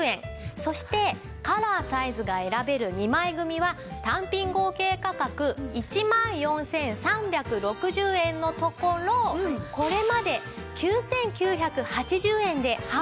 そしてカラーサイズが選べる２枚組は単品合計価格１万４３６０円のところこれまで９９８０円で販売して参りましたが。